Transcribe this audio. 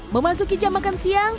memasuki jam makan setengah